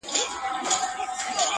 ابوجهل به یې ولي د منبر سرته ختلای -